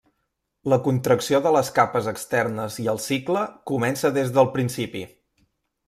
La contracció de les capes externes i el cicle comença des del principi.